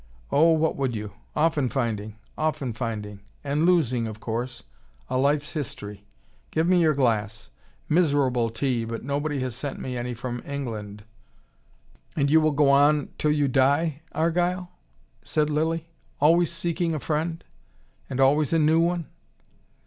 "Oh, what would you? Often finding. Often finding. And losing, of course. A life's history. Give me your glass. Miserable tea, but nobody has sent me any from England " "And you will go on till you die, Argyle?" said Lilly. "Always seeking a friend and always a new one?"